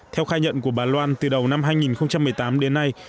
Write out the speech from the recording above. theo khai nhận của bà loan từ đầu năm hai nghìn một mươi tám đến nay